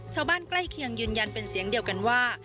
ชาวบ้านใกล้เคียงยืนยันเป็นเสียงเดียวกันว่า